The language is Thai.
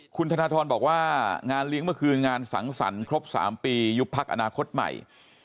คุณธนทรบอกว่างานเลี้ยงเมื่อคืนงานสังสรรค์ครบ๓ปียุบพักอนาคตใหม่